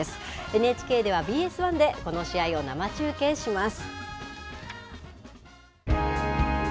ＮＨＫではＢＳ１で、この試合を生中継します。